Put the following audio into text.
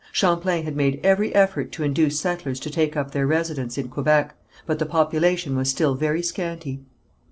Champlain had made every effort to induce settlers to take up their residence in Quebec, but the population was still very scanty.